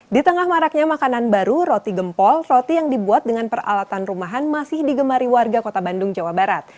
di tengah maraknya makanan baru roti gempol roti yang dibuat dengan peralatan rumahan masih digemari warga kota bandung jawa barat